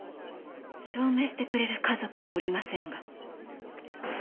証明してくれる家族はおりませんが。